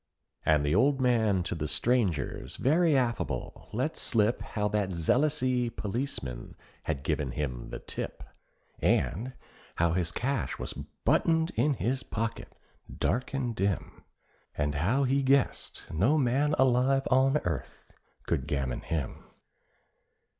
And the old man to the strangers very affable let slip How that zealousy policeman had given him the tip, And how his cash was buttoned in his pocket dark and dim, And how he guessed no man alive on earth could gammon him.